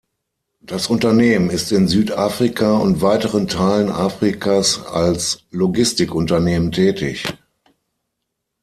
Das Unternehmen ist in Südafrika und weiteren Teilen Afrikas als Logistikunternehmen tätig.